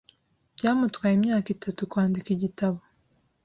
Byamutwaye imyaka itatu kwandika igitabo.